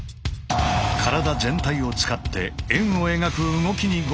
体全体を使って円を描く動きにご注目。